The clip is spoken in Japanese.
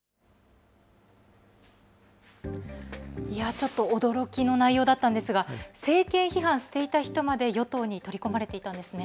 ちょっと驚きの内容だったんですが、政権批判していた人まで与党に取り込まれていたんですね。